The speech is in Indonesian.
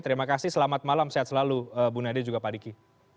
terima kasih selamat malam sehat selalu bu nadia juga pak diki